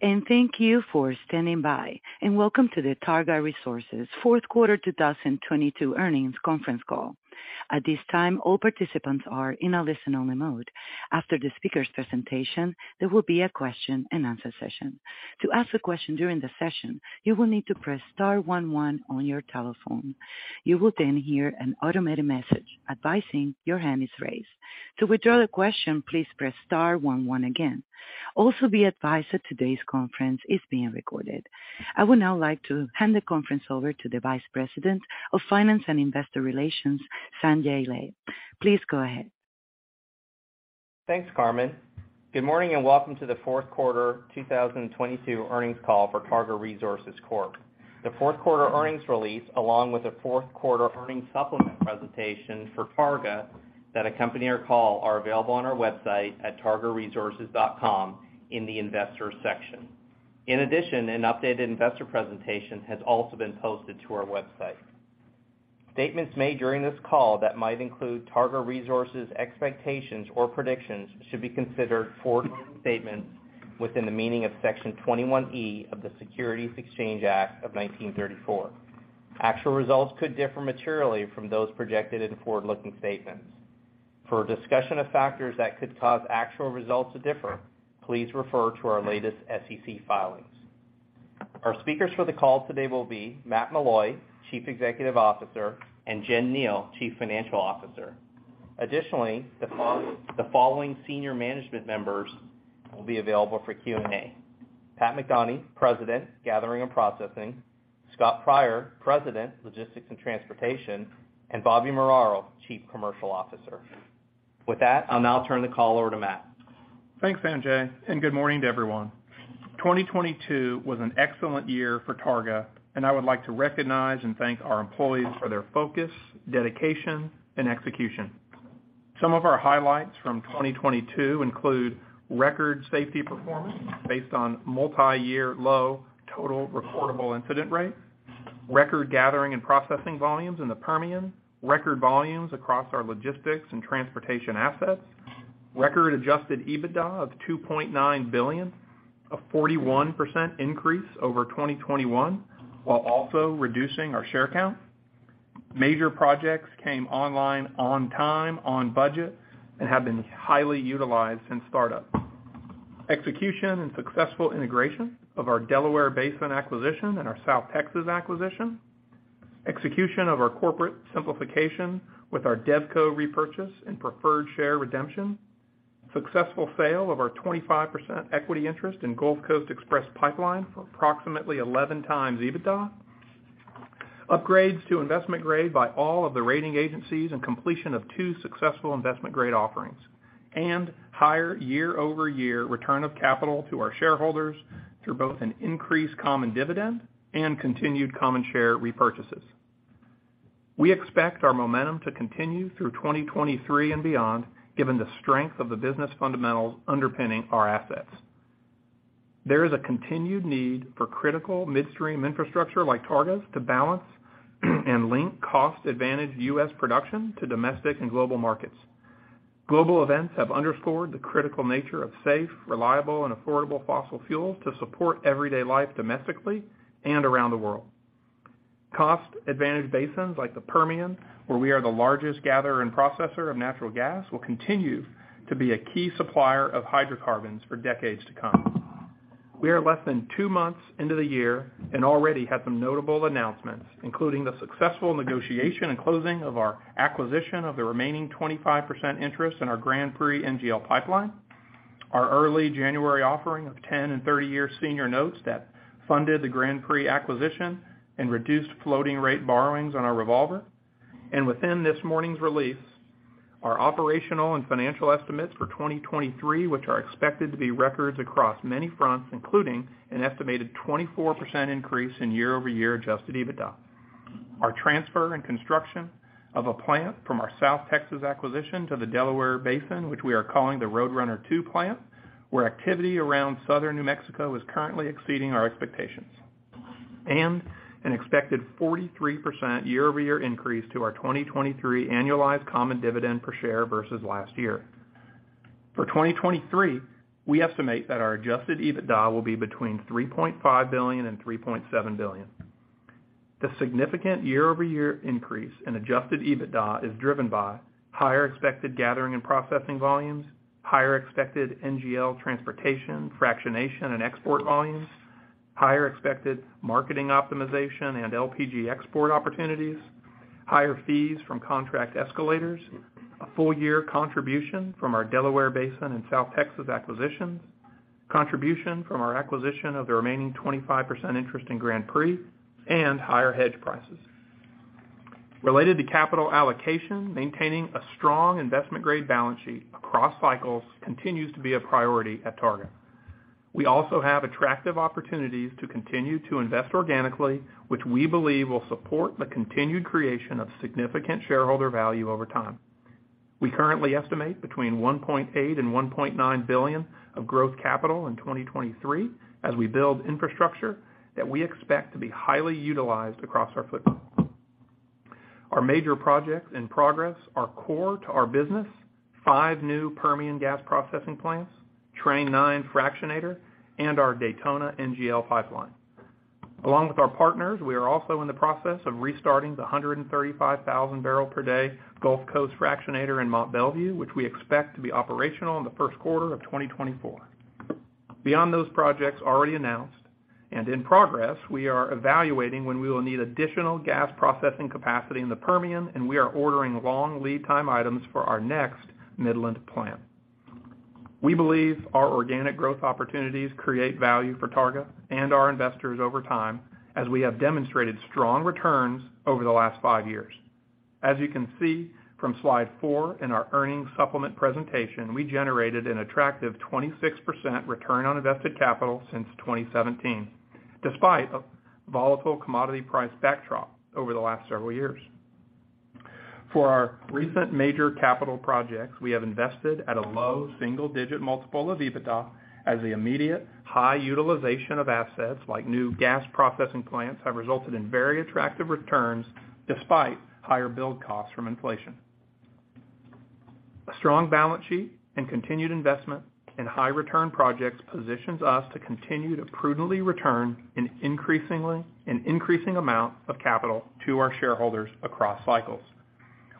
Thank you for standing by, and welcome to the Targa Resources Fourth Quarter 2022 Earnings Conference Call. At this time, all participants are in a listen-only mode. After the speaker's presentation, there will be a question and answer session. To ask a question during the session, you will need to press star one one on your telephone. You will then hear an automated message advising your hand is raised. To withdraw the question, please press star one one again. Be advised that today's conference is being recorded. I would now like to hand the conference over to the Vice President of Finance and Investor Relations, Sanjay Lad. Please go ahead. Thanks, Carmen. Good morning, and welcome to the Fourth Quarter 2022 Earnings Call for Targa Resources Corp. The fourth quarter earnings release, along with the fourth quarter earnings supplement presentation for Targa that accompany our call are available on our website at targaresources.com in the investor section. In addition, an updated investor presentation has also been posted to our website. Statements made during this call that might include Targa Resources expectations or predictions should be considered forward-looking statements within the meaning of Section 21E of the Securities Exchange Act of 1934. Actual results could differ materially from those projected in forward-looking statements. For a discussion of factors that could cause actual results to differ, please refer to our latest SEC filings. Our speakers for the call today will be Matt Meloy, Chief Executive Officer, and Jennifer R. Kneale, Chief Financial Officer. Additionally, the following senior management members will be available for Q&A. Pat McDonie, President, Gathering and Processing, Scott Pryor, President, Logistics and Transportation, and Bobby Muraro, Chief Commercial Officer. With that, I'll now turn the call over to Matt. Thanks, Sanjay. Good morning to everyone. 2022 was an excellent year for Targa, and I would like to recognize and thank our employees for their focus, dedication, and execution. Some of our highlights from 2022 include record safety performance based on multiyear low total reportable incident rate, record gathering and processing volumes in the Permian, record volumes across our logistics and transportation assets, record adjusted EBITDA of $2.9 billion, a 41% increase over 2021, while also reducing our share count. Major projects came online on time, on budget, and have been highly utilized since startup. Execution and successful integration of our Delaware Basin acquisition and our South Texas acquisition. Execution of our corporate simplification with our DevCo repurchase and preferred share redemption. Successful sale of our 25% equity interest in Gulf Coast Express Pipeline for approximately 11x EBITDA. Upgrades to investment grade by all of the rating agencies and completion of two successful investment grade offerings, and higher year-over-year return of capital to our shareholders through both an increased common dividend and continued common share repurchases. We expect our momentum to continue through 2023 and beyond, given the strength of the business fundamentals underpinning our assets. There is a continued need for critical midstream infrastructure like Targa's to balance and link cost-advantaged U.S. production to domestic and global markets. Global events have underscored the critical nature of safe, reliable, and affordable fossil fuel to support everyday life domestically and around the world. Cost-advantaged basins like the Permian, where we are the largest gatherer and processor of natural gas, will continue to be a key supplier of hydrocarbons for decades to come. We are less than two months into the year and already had some notable announcements, including the successful negotiation and closing of our acquisition of the remaining 25% interest in our Grand Prix NGL Pipeline. Our early January offering of 10 and 30-year senior notes that funded the Grand Prix acquisition and reduced floating rate borrowings on our revolver. Within this morning's release, our operational and financial estimates for 2023, which are expected to be records across many fronts, including an estimated 24% increase in year-over-year adjusted EBITDA. Our transfer and construction of a plant from our South Texas acquisition to the Delaware Basin, which we are calling the Roadrunner II plant, where activity around Southern New Mexico is currently exceeding our expectations. An expected 43% year-over-year increase to our 2023 annualized common dividend per share versus last year. For 2023, we estimate that our adjusted EBITDA will be between $3.5 billion and $3.7 billion. The significant year-over-year increase in adjusted EBITDA is driven by higher expected gathering and processing volumes, higher expected NGL transportation, fractionation, and export volumes, higher expected marketing optimization and LPG export opportunities, higher fees from contract escalators, a full year contribution from our Delaware Basin and South Texas acquisitions, contribution from our acquisition of the remaining 25% interest in Grand Prix, and higher hedge prices. Related to capital allocation, maintaining a strong investment-grade balance sheet across cycles continues to be a priority at Targa. We also have attractive opportunities to continue to invest organically, which we believe will support the continued creation of significant shareholder value over time. We currently estimate between $1.8 billion and $1.9 billion of growth capital in 2023 as we build infrastructure that we expect to be highly utilized across our footprint. Our major projects in progress are core to our business, five new Permian gas processing plants, Train 9 fractionator, and our Daytona NGL Pipeline. Along with our partners, we are also in the process of restarting the 135,000 barrel per day Gulf Coast Fractionator in Mont Belvieu, which we expect to be operational in the first quarter of 2024. Beyond those projects already announced and in progress, we are evaluating when we will need additional gas processing capacity in the Permian, and we are ordering long lead time items for our next Midland plant. We believe our organic growth opportunities create value for Targa and our investors over time, as we have demonstrated strong returns over the last five years. As you can see from Slide Four in our earnings supplement presentation, we generated an attractive 26% return on invested capital since 2017, despite a volatile commodity price backdrop over the last several years. For our recent major capital projects, we have invested at a low single-digit multiple of EBITDA as the immediate high utilization of assets like new gas processing plants have resulted in very attractive returns despite higher build costs from inflation. A strong balance sheet and continued investment in high return projects positions us to continue to prudently return an increasing amount of capital to our shareholders across cycles.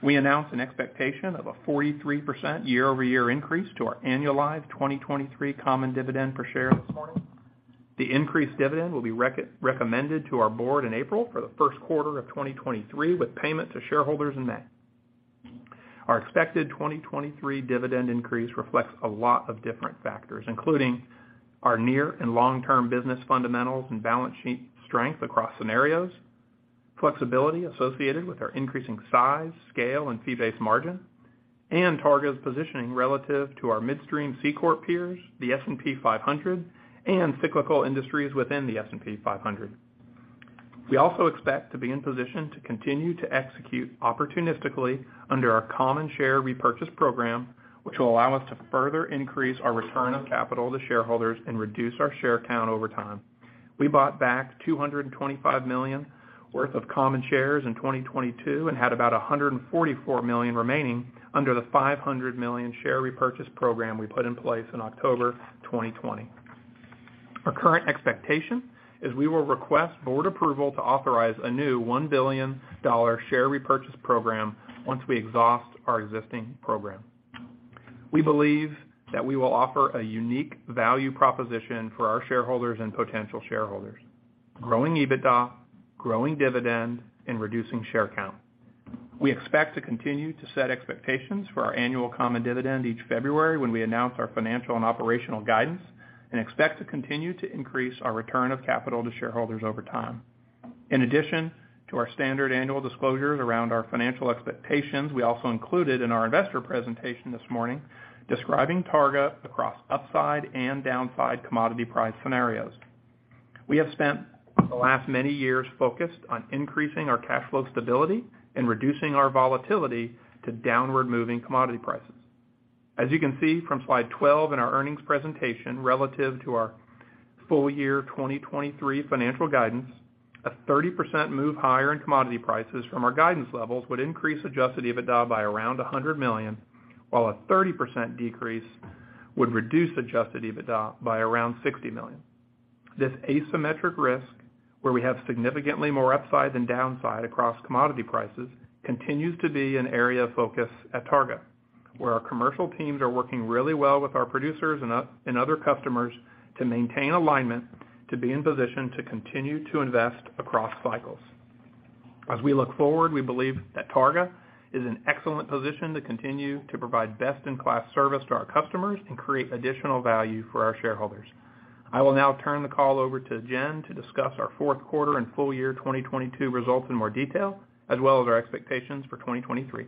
We announced an expectation of a 43% year-over-year increase to our annualized 2023 common dividend per share this morning. The increased dividend will be recommended to our board in April for the first quarter of 2023, with payment to shareholders in May. Our expected 2023 dividend increase reflects a lot of different factors, including our near and long-term business fundamentals and balance sheet strength across scenarios, flexibility associated with our increasing size, scale, and fee-based margin, and Targa's positioning relative to our midstream C Corp peers, the S&P 500, and cyclical industries within the S&P 500. We also expect to be in position to continue to execute opportunistically under our common share repurchase program, which will allow us to further increase our return of capital to shareholders and reduce our share count over time. We bought back $225 million worth of common shares in 2022 and had about $144 million remaining under the $500 million share repurchase program we put in place in October 2020. Our current expectation is we will request board approval to authorize a new $1 billion share repurchase program once we exhaust our existing program. We believe that we will offer a unique value proposition for our shareholders and potential shareholders, growing EBITDA, growing dividend, and reducing share count. We expect to continue to set expectations for our annual common dividend each February when we announce our financial and operational guidance, and expect to continue to increase our return of capital to shareholders over time. In addition to our standard annual disclosures around our financial expectations, we also included in our investor presentation this morning describing Targa across upside and downside commodity price scenarios. We have spent the last many years focused on increasing our cash flow stability and reducing our volatility to downward moving commodity prices. As you can see from Slide 12 in our earnings presentation, relative to our full year 2023 financial guidance, a 30% move higher in commodity prices from our guidance levels would increase adjusted EBITDA by around $100 million, while a 30% decrease would reduce adjusted EBITDA by around $60 million. This asymmetric risk, where we have significantly more upside than downside across commodity prices, continues to be an area of focus at Targa, where our commercial teams are working really well with our producers and other customers to maintain alignment to be in position to continue to invest across cycles. As we look forward, we believe that Targa is in excellent position to continue to provide best-in-class service to our customers and create additional value for our shareholders. I will now turn the call over to Jen to discuss our fourth quarter and full year 2022 results in more detail, as well as our expectations for 2023.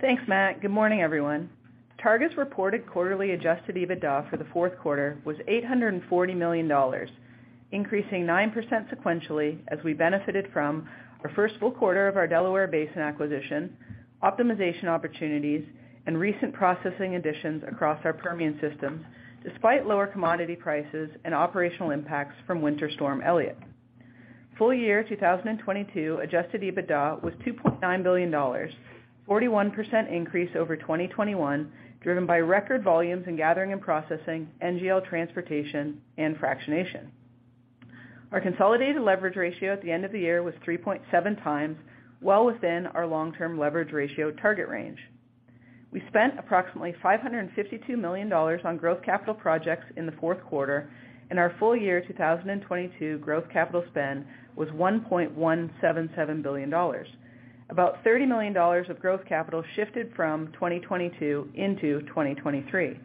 Thanks, Matt. Good morning, everyone. Targa's reported quarterly adjusted EBITDA for the fourth quarter was $840 million, increasing 9% sequentially as we benefited from our first full quarter of our Delaware Basin acquisition, optimization opportunities, and recent processing additions across our Permian system despite lower commodity prices and operational impacts from Winter Storm Elliott. Full year 2022 adjusted EBITDA was $2.9 billion, 41% increase over 2021, driven by record volumes in gathering and processing, NGL transportation, and fractionation. Our consolidated leverage ratio at the end of the year was 3.7x, well within our long-term leverage ratio target range. We spent approximately $552 million on growth capital projects in the fourth quarter. Our full year 2022 growth capital spend was $1.177 billion. About $30 million of growth capital shifted from 2022 into 2023.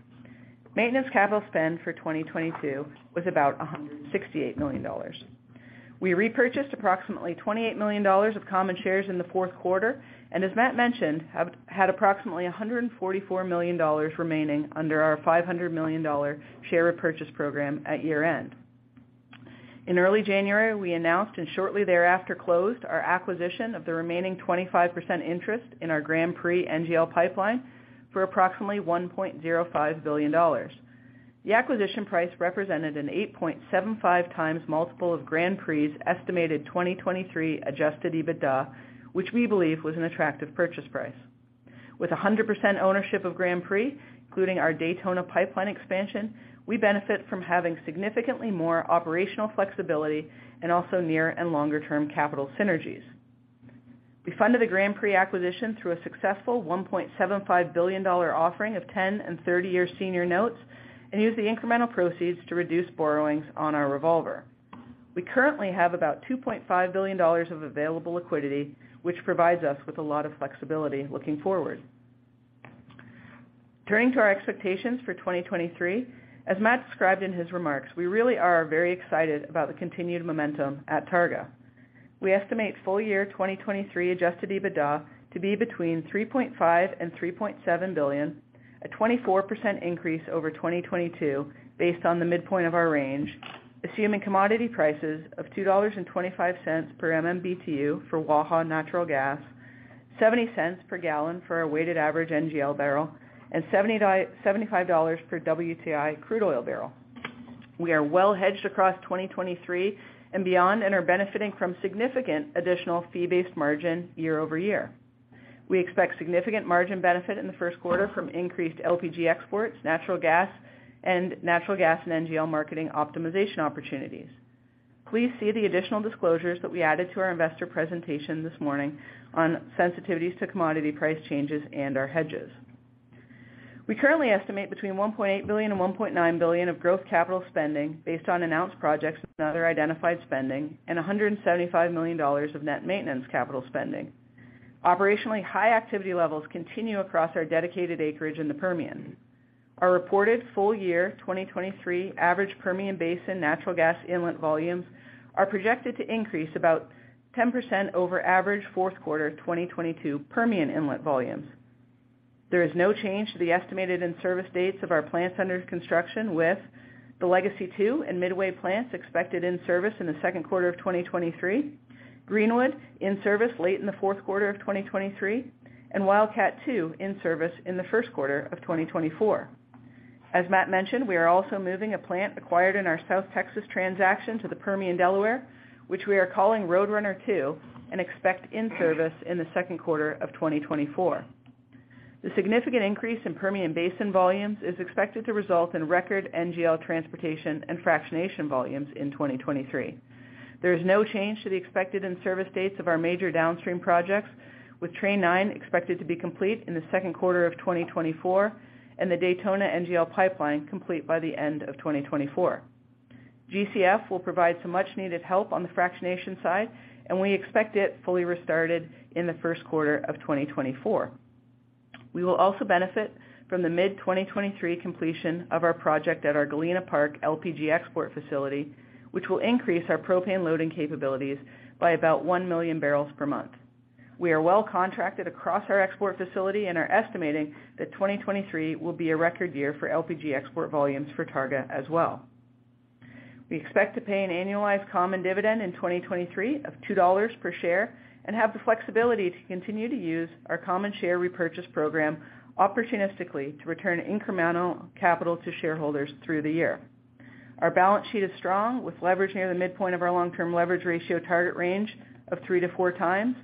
Maintenance capital spend for 2022 was about $168 million. We repurchased approximately $28 million of common shares in the fourth quarter, and as Matt Meloy mentioned, had approximately $144 million remaining under our $500 million share repurchase program at year-end. In early January, we announced and shortly thereafter closed our acquisition of the remaining 25% interest in our Grand Prix NGL Pipeline for approximately $1.05 billion. The acquisition price represented an 8.75x multiple of Grand Prix's estimated 2023 adjusted EBITDA, which we believe was an attractive purchase price. With 100% ownership of Grand Prix, including our Daytona Pipeline expansion, we benefit from having significantly more operational flexibility and also near and longer-term capital synergies. We funded the Grand Prix acquisition through a successful $1.75 billion offering of 10-year and 30-year senior notes and used the incremental proceeds to reduce borrowings on our revolver. We currently have about $2.5 billion of available liquidity, which provides us with a lot of flexibility looking forward. Turning to our expectations for 2023, as Matt described in his remarks, we really are very excited about the continued momentum at Targa. We estimate full year 2023 adjusted EBITDA to be between $3.5 billion and $3.7 billion, a 24% increase over 2022 based on the midpoint of our range, assuming commodity prices of $2.25 per MMBtu for Waha natural gas, $0.70 per gallon for our weighted average NGL barrel, and $75 per WTI crude oil barrel. We are well hedged across 2023 and beyond and are benefiting from significant additional fee-based margin year-over-year. We expect significant margin benefit in the first quarter from increased LPG exports, natural gas and NGL marketing optimization opportunities. Please see the additional disclosures that we added to our investor presentation this morning on sensitivities to commodity price changes and our hedges. We currently estimate between $1.8 billion and $1.9 billion of growth capital spending based on announced projects and other identified spending, and $175 million of net maintenance capital spending. Operationally, high activity levels continue across our dedicated acreage in the Permian. Our reported full year 2023 average Permian Basin natural gas inlet volumes are projected to increase about 10% over average fourth quarter of 2022 Permian inlet volumes. There is no change to the estimated in-service dates of our plants under construction with the Legacy II and Midway plants expected in service in the 2Q 2023, Greenwood in service late in the 4Q 2023, and Wildcat II in service in the 1Q 2024. As Matt mentioned, we are also moving a plant acquired in our South Texas transaction to the Permian Delaware, which we are calling Roadrunner II and expect in service in the 2Q 2024. The significant increase in Permian Basin volumes is expected to result in record NGL transportation and fractionation volumes in 2023. There is no change to the expected in-service dates of our major downstream projects, with Train 9 expected to be complete in the 2Q 2024 and the Daytona NGL Pipeline complete by the end of 2024. GCF will provide some much-needed help on the fractionation side. We expect it fully restarted in the first quarter of 2024. We will also benefit from the mid-2023 completion of our project at our Galena Park LPG export facility, which will increase our propane loading capabilities by about 1 million barrels per month. We are well contracted across our export facility and are estimating that 2023 will be a record year for LPG export volumes for Targa as well. We expect to pay an annualized common dividend in 2023 of $2 per share and have the flexibility to continue to use our common share repurchase program opportunistically to return incremental capital to shareholders through the year. Our balance sheet is strong with leverage near the midpoint of our long-term leverage ratio target range of 3x-4x.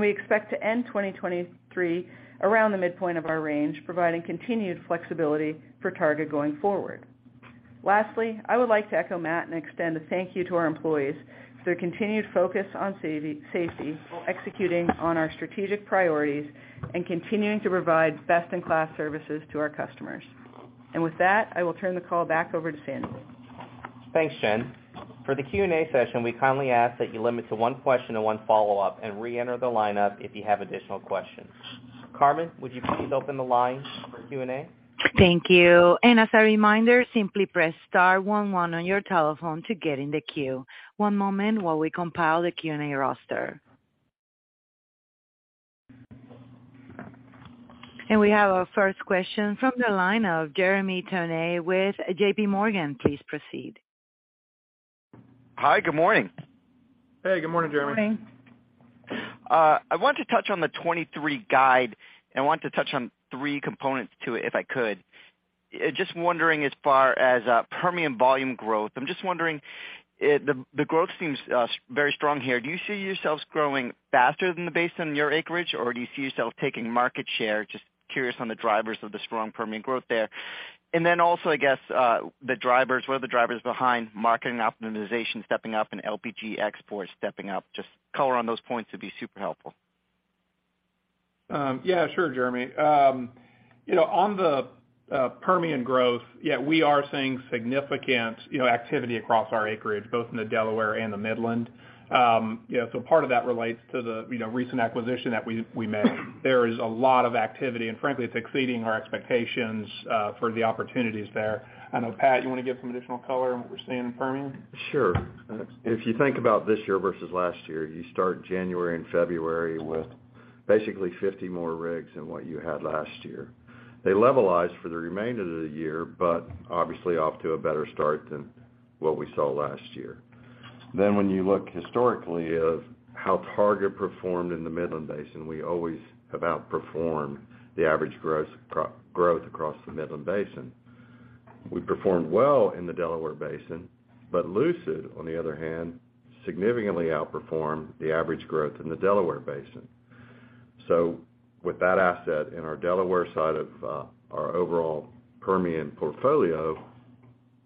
We expect to end 2023 around the midpoint of our range, providing continued flexibility for Targa going forward. Lastly, I would like to echo Matt and extend a thank you to our employees for their continued focus on safety, while executing on our strategic priorities and continuing to provide best-in-class services to our customers. With that, I will turn the call back over to Sanjay. Thanks, Jen. For the Q&A session, we kindly ask that you limit to one question and one follow-up and reenter the lineup if you have additional questions. Carmen, would you please open the line for Q&A? Thank you. As a reminder, simply press star one one on your telephone to get in the queue. One moment while we compile the Q&A roster. We have our first question from the line of Jeremy Tonet with JPMorgan. Please proceed. Hi, good morning. Hey, good morning, Jeremy. Good morning. I want to touch on the 2023 guide. I want to touch on three components to it, if I could. Just wondering as far as Permian volume growth. I'm just wondering, the growth seems very strong here. Do you see yourselves growing faster than the basin near acreage, or do you see yourself taking market share? Just curious on the drivers of the strong Permian growth there. Also, I guess, the drivers. What are the drivers behind marketing optimization stepping up and LPG exports stepping up? Just color on those points would be super helpful. Yeah, sure, Jeremy. You know, on the Permian growth, yeah, we are seeing significant, you know, activity across our acreage, both in the Delaware and the Midland. You know, part of that relates to the, you know, recent acquisition that we made. There is a lot of activity, frankly, it's exceeding our expectations for the opportunities there. I know, Pat, you wanna give some additional color on what we're seeing in Permian? Sure. If you think about this year versus last year, you start January and February with basically 50 more rigs than what you had last year. They levelized for the remainder of the year, but obviously off to a better start than what we saw last year. When you look historically of how Targa performed in the Midland Basin, we always have outperformed the average growth across the Midland Basin. We performed well in the Delaware Basin, but Lucid, on the other hand, significantly outperformed the average growth in the Delaware Basin. With that asset in our Delaware side of our overall Permian portfolio,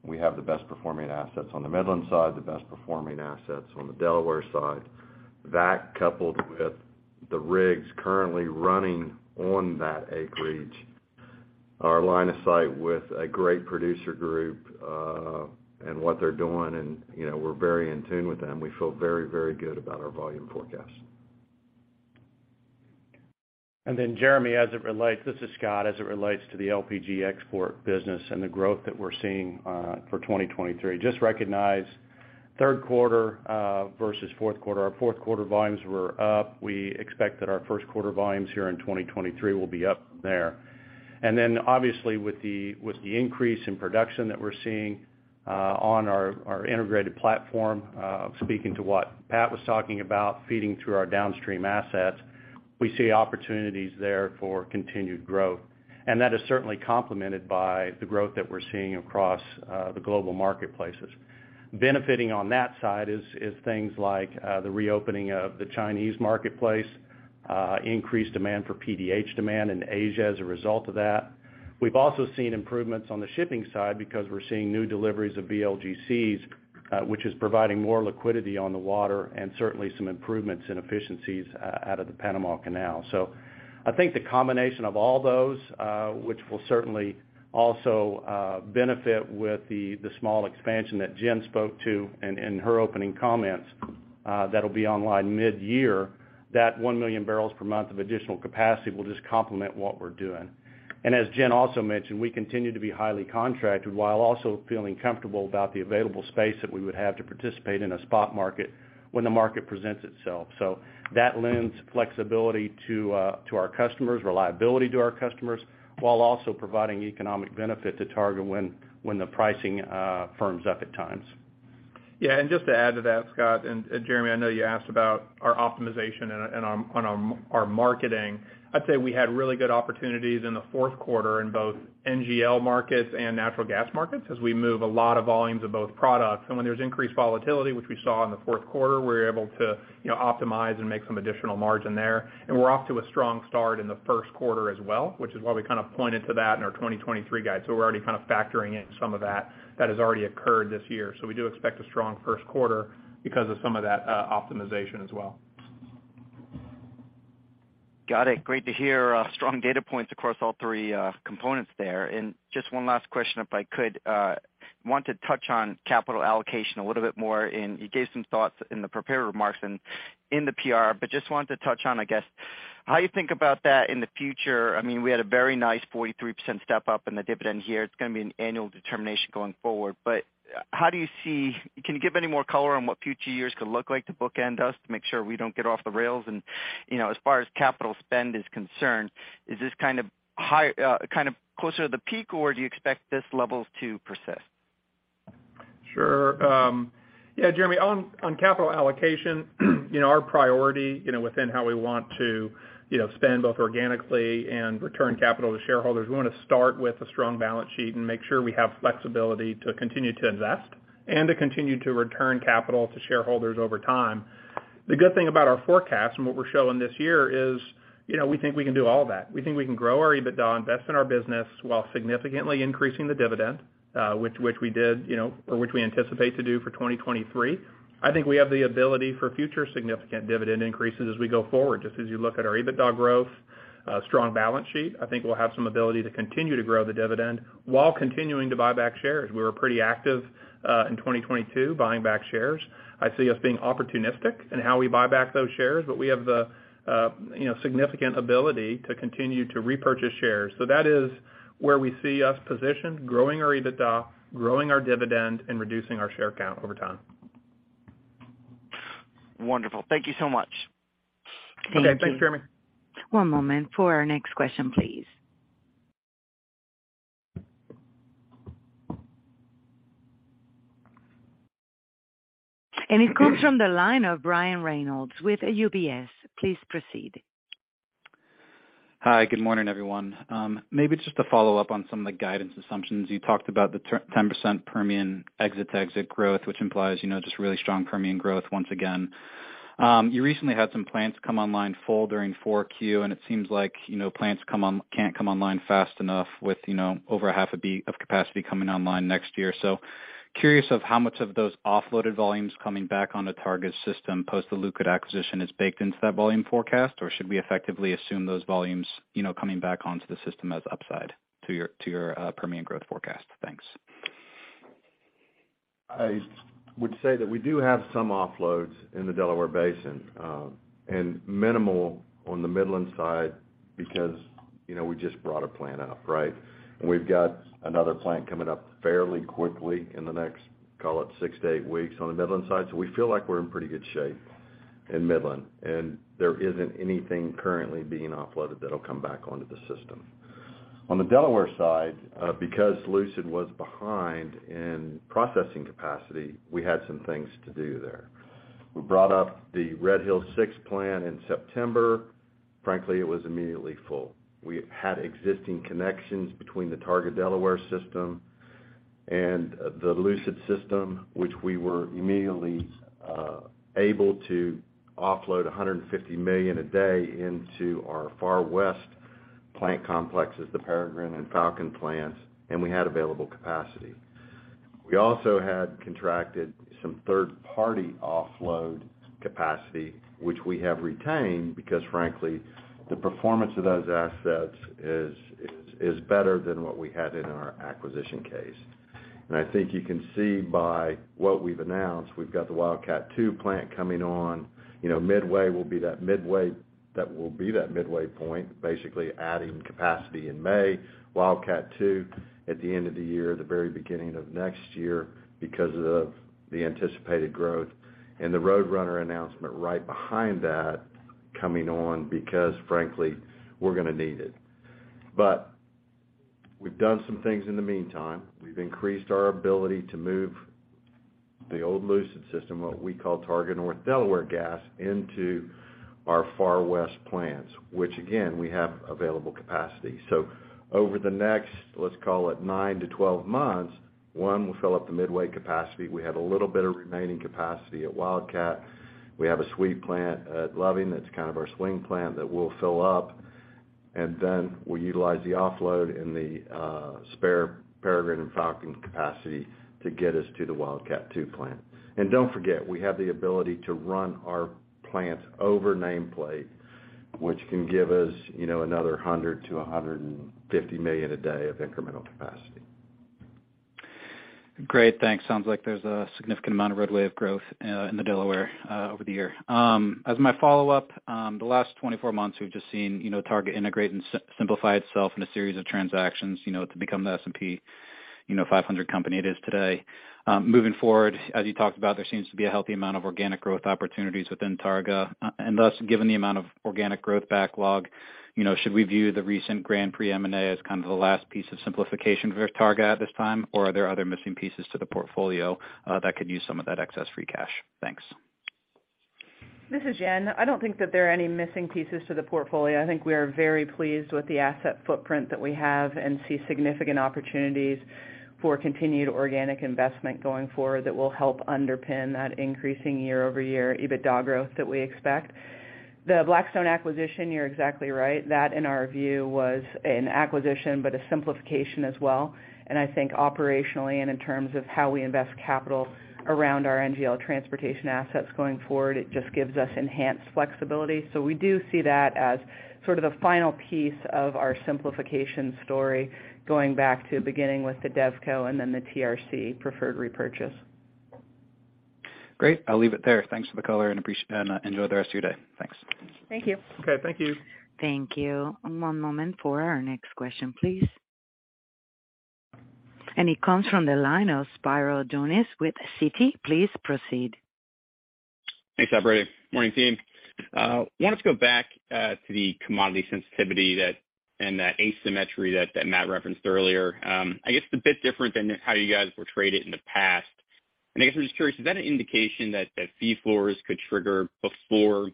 we have the best performing assets on the Midland side, the best performing assets on the Delaware side. That coupled with the rigs currently running on that acreage, our line of sight with a great producer group, and what they're doing and, you know, we're very in tune with them. We feel very, very good about our volume forecast. Jeremy, this is Scott, as it relates to the LPG export business and the growth that we're seeing for 2023. Just recognize third quarter versus fourth quarter. Our fourth quarter volumes were up. We expect that our first quarter volumes here in 2023 will be up from there. Obviously with the increase in production that we're seeing on our integrated platform, speaking to what Pat was talking about, feeding through our downstream assets, we see opportunities there for continued growth. That is certainly complemented by the growth that we're seeing across the global marketplaces. Benefiting on that side is things like the reopening of the Chinese marketplace, increased demand for PDH demand in Asia as a result of that. We've also seen improvements on the shipping side because we're seeing new deliveries of VLGCs, which is providing more liquidity on the water and certainly some improvements in efficiencies out of the Panama Canal. I think the combination of all those, which will certainly also benefit with the small expansion that Jen spoke to in her opening comments, that'll be online mid-year. That 1 million barrels per month of additional capacity will just complement what we're doing. As Jen also mentioned, we continue to be highly contracted while also feeling comfortable about the available space that we would have to participate in a spot market when the market presents itself. That lends flexibility to our customers, reliability to our customers, while also providing economic benefit to Targa when the pricing firms up at times. Yeah, just to add to that, Scott, and Jeremy, I know you asked about our optimization on our marketing. I'd say we had really good opportunities in the fourth quarter in both NGL markets and natural gas markets as we move a lot of volumes of both products. When there's increased volatility, which we saw in the fourth quarter, we're able to, you know, optimize and make some additional margin there. We're off to a strong start in the first quarter as well, which is why we kind of pointed to that in our 2023 guide. We're already kind of factoring in some of that that has already occurred this year. We do expect a strong first quarter because of some of that optimization as well. Got it. Great to hear, strong data points across all three components there. Just one last question, if I could. Want to touch on capital allocation a little bit more. You gave some thoughts in the prepared remarks and in the PR, but just wanted to touch on, I guess, how you think about that in the future. I mean, we had a very nice 43% step up in the dividend here. It's gonna be an annual determination going forward. Can you give any more color on what future years could look like to bookend us to make sure we don't get off the rails? You know, as far as capital spend is concerned, is this kind of closer to the peak, or do you expect this level to persist? Sure. Yeah, Jeremy, on capital allocation, you know, our priority, you know, within how we want to, you know, spend both organically and return capital to shareholders, we wanna start with a strong balance sheet and make sure we have flexibility to continue to invest and to continue to return capital to shareholders over time. The good thing about our forecast and what we're showing this year is, you know, we think we can do all that. We think we can grow our EBITDA, invest in our business while significantly increasing the dividend, which we did, you know, or which we anticipate to do for 2023. I think we have the ability for future significant dividend increases as we go forward. Just as you look at our EBITDA growth, strong balance sheet, I think we'll have some ability to continue to grow the dividend while continuing to buy back shares. We were pretty active in 2022 buying back shares. I see us being opportunistic in how we buy back those shares, but we have the, you know, significant ability to continue to repurchase shares. That is where we see us positioned, growing our EBITDA, growing our dividend, and reducing our share count over time. Wonderful. Thank you so much. Okay. Thanks, Jeremy. One moment for our next question, please. It comes from the line of Brian Reynolds with UBS. Please proceed. Hi. Good morning, everyone. Maybe just to follow up on some of the guidance assumptions. You talked about the 10% Permian exit to exit growth, which implies, you know, just really strong Permian growth once again. You recently had some plants come online full during 4Q, and it seems like, you know, plants can't come online fast enough with, you know, over 0.5 B of capacity coming online next year. Curious of how much of those offloaded volumes coming back onto Targa's system post the Lucid acquisition is baked into that volume forecast, or should we effectively assume those volumes, you know, coming back onto the system as upside to your, to your Permian growth forecast? Thanks. I would say that we do have some offloads in the Delaware Basin, and minimal on the Midland side because, you know, we just brought a plant up, right? We've got another plant coming up fairly quickly in the next, call it, six to eight weeks on the Midland side. We feel like we're in pretty good shape in Midland. There isn't anything currently being offloaded that'll come back onto the system. On the Delaware side, because Lucid was behind in processing capacity, we had some things to do there. We brought up the Red Hills VI plant in September. Frankly, it was immediately full. We had existing connections between the Targa North Delaware system and the Lucid system, which we were immediately able to offload $150 million a day into our far west plant complexes, the Peregrine and Falcon plants, and we had available capacity. We also had contracted some third-party offload capacity, which we have retained because frankly, the performance of those assets is better than what we had in our acquisition case. I think you can see by what we've announced, we've got the Wildcat II plant coming on. You know, Midway will be that Midway point, basically adding capacity in May, Wildcat II at the end of the year, the very beginning of next year because of the anticipated growth. The Roadrunner announcement right behind that coming on because frankly, we're gonna need it. We've done some things in the meantime. We've increased our ability to move the old Lucid system, what we call Targa North Delaware gas, into our far west plants, which again, we have available capacity. Over the next, let's call it nine to 12 months, one, we'll fill up the Midway capacity. We have a little bit of remaining capacity at Wildcat. We have a sweet plant at Loving that's kind of our swing plant that we'll fill up, and then we utilize the offload in the spare Peregrine and Falcon capacity to get us to the Wildcat II plant. Don't forget, we have the ability to run our plants over nameplate, which can give us, you know, another 100 million-150 million a day of incremental capacity. Great. Thanks. Sounds like there's a significant amount of roadway of growth in the Delaware over the year. As my follow-up, the last 24 months, we've just seen, you know, Targa integrate and simplify itself in a series of transactions, you know, to become the S&P, you know, 500 company it is today. Moving forward, as you talked about, there seems to be a healthy amount of organic growth opportunities within Targa. Thus, given the amount of organic growth backlog, you know, should we view the recent Grand Prix M&A as kind of the last piece of simplification for Targa at this time? Are there other missing pieces to the portfolio that could use some of that excess free cash? Thanks. This is Jen. I don't think that there are any missing pieces to the portfolio. I think we are very pleased with the asset footprint that we have and see significant opportunities for continued organic investment going forward that will help underpin that increasing year-over-year EBITDA growth that we expect. The Blackstone acquisition, you're exactly right. That, in our view, was an acquisition, but a simplification as well. I think operationally and in terms of how we invest capital around our NGL transportation assets going forward, it just gives us enhanced flexibility. We do see that as sort of the final piece of our simplification story going back to beginning with the DevCo and then the TRC preferred repurchase. Great. I'll leave it there. Thanks for the color, appreciate and enjoy the rest of your day. Thanks. Thank you. Okay. Thank you. Thank you. One moment for our next question, please. It comes from the line of Spiro Dounis with Citi. Please proceed. Thanks, operator. Morning, team. Wanted to go back to the commodity sensitivity that, and that asymmetry that Matt referenced earlier. I guess it's a bit different than how you guys portrayed it in the past. I guess I'm just curious, is that an indication that fee floors could trigger before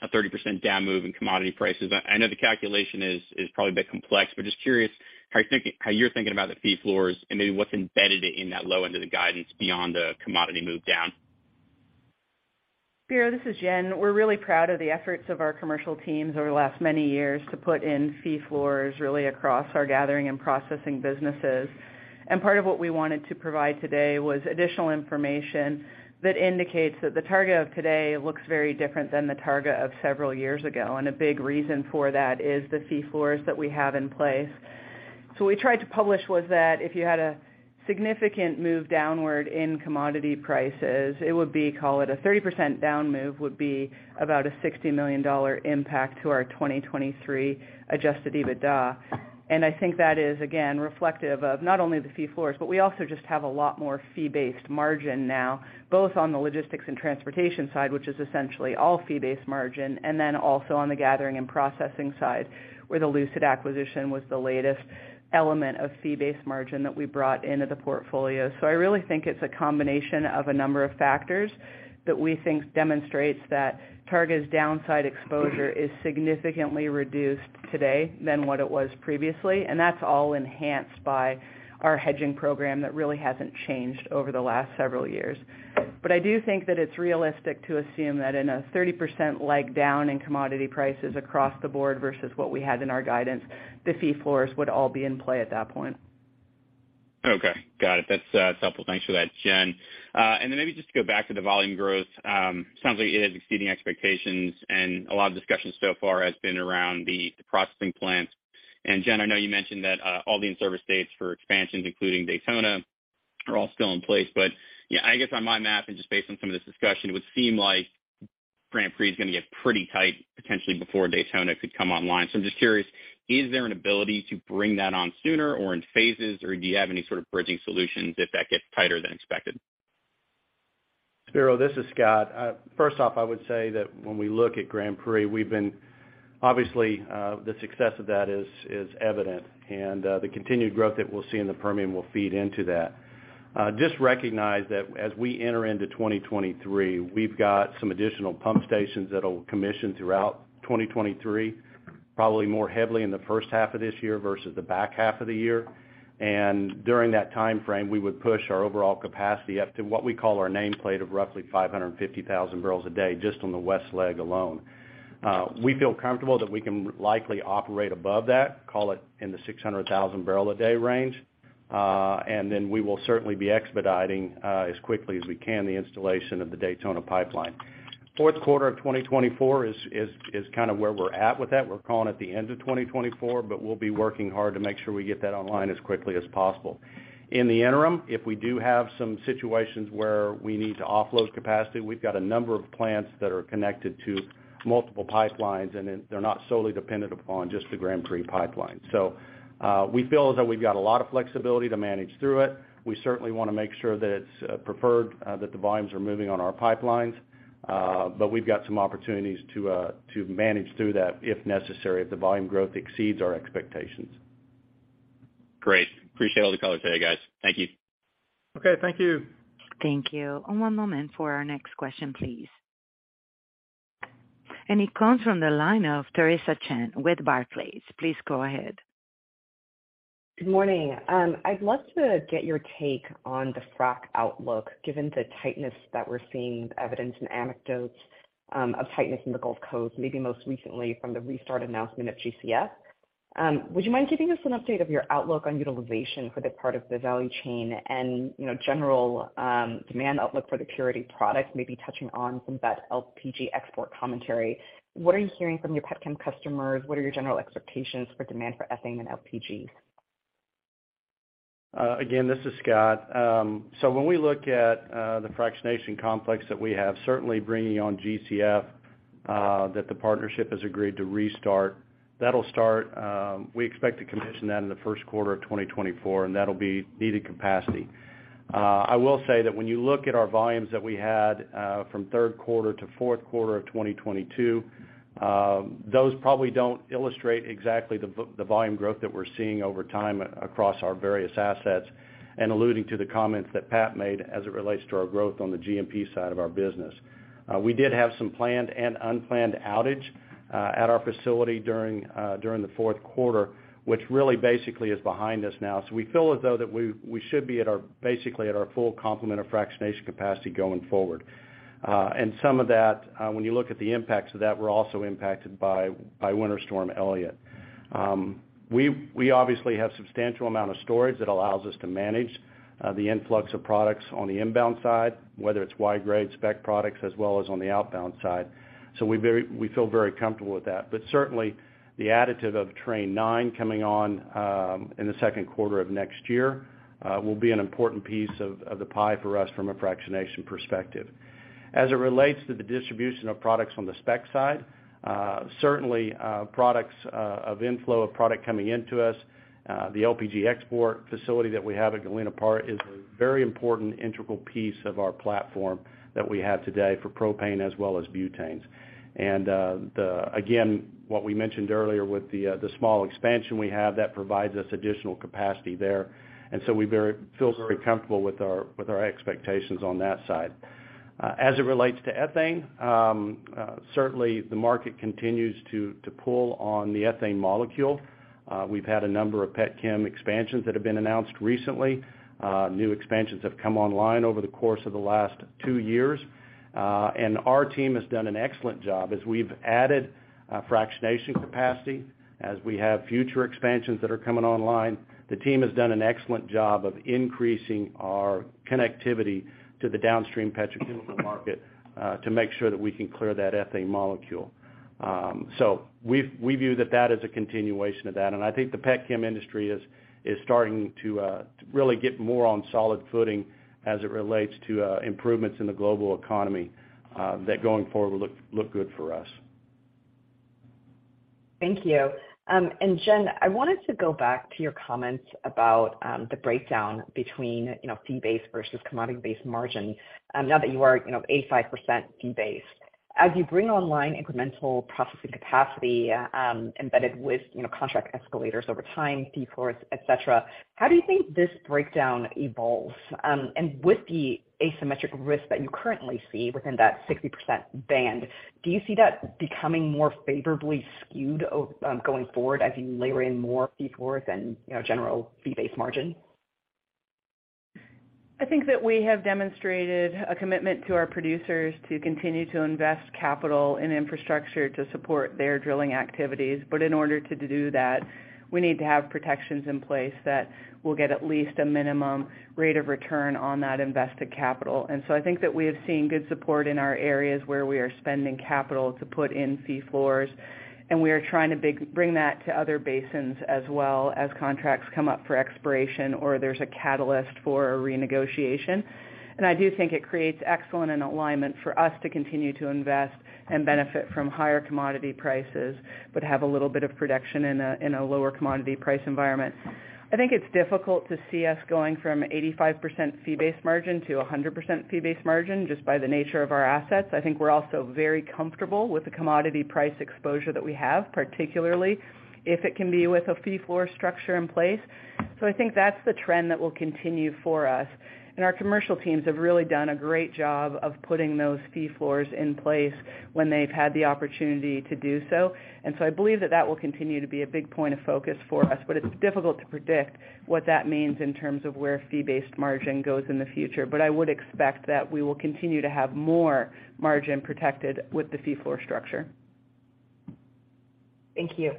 a 30% down move in commodity prices? I know the calculation is probably a bit complex, but just curious how you're thinking about the fee floors and maybe what's embedded in that low end of the guidance beyond the commodity move down. Spiro, this is Jen. We're really proud of the efforts of our commercial teams over the last many years to put in fee floors really across our gathering and processing businesses. Part of what we wanted to provide today was additional information that indicates that the Targa of today looks very different than the Targa of several years ago. A big reason for that is the fee floors that we have in place. What we tried to publish was that if you had a significant move downward in commodity prices, it would be, call it a 30% down move, would be about a $60 million impact to our 2023 adjusted EBITDA. I think that is, again, reflective of not only the fee floors, but we also just have a lot more fee-based margin now, both on the logistics and transportation side, which is essentially all fee-based margin, and then also on the gathering and processing side, where the Lucid acquisition was the latest element of fee-based margin that we brought into the portfolio. I really think it's a combination of a number of factors that we think demonstrates that Targa's downside exposure is significantly reduced today than what it was previously, and that's all enhanced by our hedging program that really hasn't changed over the last several years. I do think that it's realistic to assume that in a 30% leg down in commodity prices across the board versus what we had in our guidance, the fee floors would all be in play at that point. Okay. Got it. That's helpful. Thanks for that, Jen. Then maybe just to go back to the volume growth. Sounds like it is exceeding expectations and a lot of discussions so far has been around the processing plant. Jen, I know you mentioned that, all the in-service dates for expansions, including Daytona, are all still in place, but, you know, I guess on my math and just based on some of this discussion, it would seem like Grand Prix is gonna get pretty tight potentially before Daytona could come online. I'm just curious, is there an ability to bring that on sooner or in phases, or do you have any sort of bridging solutions if that gets tighter than expected? Spiro, this is Scott. First off, I would say that when we look at Grand Prix, we've been obviously, the success of that is evident and the continued growth that we'll see in the Permian will feed into that. Just recognize that as we enter into 2023, we've got some additional pump stations that'll commission throughout 2023, probably more heavily in the first half of this year versus the back half of the year. During that time frame, we would push our overall capacity up to what we call our nameplate of roughly 550,000 barrels a day just on the west leg alone. We feel comfortable that we can likely operate above that, call it in the 600,000 barrels a day range. We will certainly be expediting as quickly as we can, the installation of the Daytona Pipeline. Fourth quarter of 2024 is kind of where we're at with that. We're calling it the end of 2024, but we'll be working hard to make sure we get that online as quickly as possible. In the interim, if we do have some situations where we need to offload capacity, we've got a number of plants that are connected to multiple pipelines, and then they're not solely dependent upon just the Grand Prix Pipeline. We feel as though we've got a lot of flexibility to manage through it. We certainly wanna make sure that it's preferred, that the volumes are moving on our pipelines, but we've got some opportunities to manage through that if necessary, if the volume growth exceeds our expectations. Great. Appreciate all the color today, guys. Thank you. Okay. Thank you. Thank you. One moment for our next question, please. It comes from the line of Theresa Chen with Barclays. Please go ahead. Good morning. I'd love to get your take on the frac outlook, given the tightness that we're seeing, the evidence and anecdotes of tightness in the Gulf Coast, maybe most recently from the restart announcement of GCF. Would you mind giving us an update of your outlook on utilization for the part of the value chain and, you know, general demand outlook for the purity product, maybe touching on some of that LPG export commentary? What are you hearing from your petchem customers? What are your general expectations for demand for ethane and LPG? Again, this is Scott. When we look at the fractionation complex that we have, certainly bringing on GCF, that the partnership has agreed to restart, that'll start. We expect to commission that in the 1st quarter of 2024, and that'll be needed capacity. I will say that when you look at our volumes that we had from third quarter to fourth quarter of 2022, those probably don't illustrate exactly the volume growth that we're seeing over time across our various assets, and alluding to the comments that Pat made as it relates to our growth on the GMP side of our business. We did have some planned and unplanned outage at our facility during the fourth quarter, which really basically is behind us now. We feel as though that we should be at our, basically at our full complement of fractionation capacity going forward. Some of that, when you look at the impacts of that, we're also impacted by Winter Storm Elliott. We obviously have substantial amount of storage that allows us to manage the influx of products on the inbound side, whether it's wide grade spec products as well as on the outbound side. We feel very comfortable with that. Certainly, the additive of Train 9 coming on, in the second quarter of next year, will be an important piece of the pie for us from a fractionation perspective. As it relates to the distribution of products on the spec side, certainly, products of inflow of product coming into us, the LPG export facility that we have at Galena Park is a very important integral piece of our platform that we have today for propane as well as butanes. Again, what we mentioned earlier with the small expansion we have, that provides us additional capacity there. We feel very comfortable with our, with our expectations on that side. As it relates to ethane, certainly the market continues to pull on the ethane molecule. We've had a number of petchem expansions that have been announced recently. New expansions have come online over the course of the last two years. Our team has done an excellent job as we've added fractionation capacity, as we have future expansions that are coming online. The team has done an excellent job of increasing our connectivity to the downstream petrochemical market to make sure that we can clear that ethane molecule. We view that that is a continuation of that. I think the petchem industry is starting to really get more on solid footing as it relates to improvements in the global economy that going forward look good for us. Thank you. Jen, I wanted to go back to your comments about, the breakdown between, you know, fee-based versus commodity-based margin, now that you are, you know, 85% fee-based. As you bring online incremental processing capacity, embedded with, you know, contract escalators over time, fee floors, et cetera, how do you think this breakdown evolves? With the asymmetric risk that you currently see within that 60% band, do you see that becoming more favorably skewed going forward as you layer in more fee floors and, you know, general fee-based margin? I think that we have demonstrated a commitment to our producers to continue to invest capital in infrastructure to support their drilling activities. In order to do that, we need to have protections in place that will get at least a minimum rate of return on that invested capital. I think that we have seen good support in our areas where we are spending capital to put in fee floors, and we are trying to bring that to other basins as well as contracts come up for expiration or there's a catalyst for a renegotiation. I do think it creates excellent and alignment for us to continue to invest and benefit from higher commodity prices, but have a little bit of protection in a lower commodity price environment. I think it's difficult to see us going from 85% fee-based margin to 100% fee-based margin just by the nature of our assets. I think we're also very comfortable with the commodity price exposure that we have, particularly if it can be with a fee floor structure in place. I think that's the trend that will continue for us. Our commercial teams have really done a great job of putting those fee floors in place when they've had the opportunity to do so. I believe that that will continue to be a big point of focus for us. It's difficult to predict what that means in terms of where fee-based margin goes in the future. I would expect that we will continue to have more margin protected with the fee floor structure. Thank you.